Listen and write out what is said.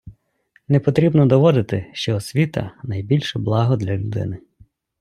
Не потрібно доводити, що освіта - найбільше благо для людини.